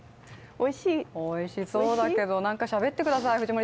おいしそうだけど何かしゃべってください。